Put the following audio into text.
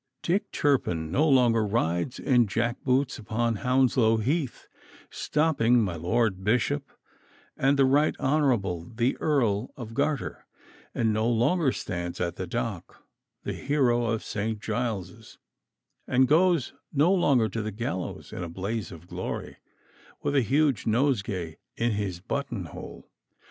Dick Turpin no longer rides in jack boots upon Hounslow Heath, stopping my Lord Bishop and the Right Honorable the Earl of Garter; and no longer stands at the dock, the hero of St. Giles's; and goes no longer to the gallows in a blaze of glory, with a huge nosegay in his button hole.